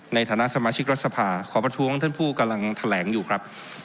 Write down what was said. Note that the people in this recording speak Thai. ในฐานะสมาชิกรัฐสภาขอประท้วงท่านผู้กำลังแถลงอยู่ครับ